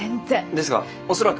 ですが恐らく。